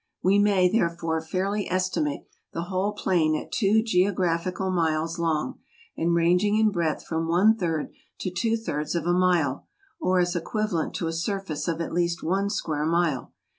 We may, therefore, fairly estimate the whole plain at two geographical miles long, and ranging in breadth from one third to two thirds of a mile, or as equi¬ valent to a surface of at least one square mile.